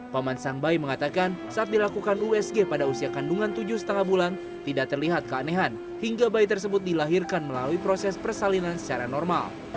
paman sang bayi mengatakan saat dilakukan usg pada usia kandungan tujuh lima bulan tidak terlihat keanehan hingga bayi tersebut dilahirkan melalui proses persalinan secara normal